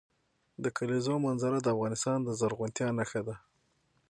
د کلیزو منظره د افغانستان د زرغونتیا نښه ده.